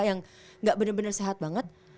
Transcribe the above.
yang gak bener bener sehat banget